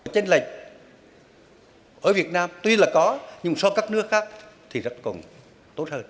trên lệch ở việt nam tuy là có nhưng so với các nước khác thì rất còn tốt hơn